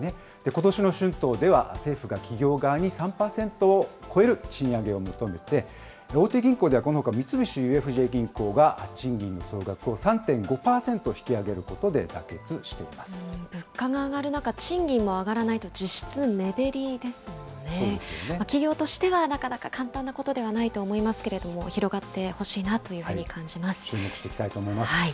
ことしの春闘では、政府が企業側に３％を超える賃上げを求めて、大手銀行では、このほか三菱ＵＦＪ銀行が賃金の総額を３．５％引き上げることで物価が上がる中、賃金も上がらないと、実質目減りですもんね。企業としてはなかなか簡単なことではないと思いますけれども、広がってほしいなというふうに感じ注目していきたいと思います。